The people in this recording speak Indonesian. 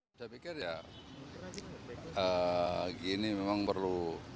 saya pikir ya gini memang perlu